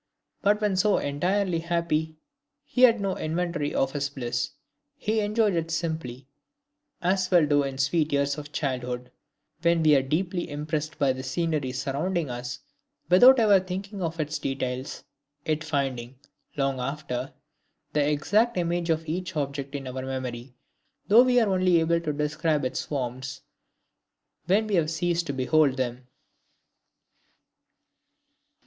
But when so entirely happy, he made no inventory of his bliss. He enjoyed it simply, as we all do in the sweet years of childhood, when we are deeply impressed by the scenery surrounding us without ever thinking of its details, yet finding, long after, the exact image of each object in our memory, though we are only able to describe its forms when we have ceased to behold them.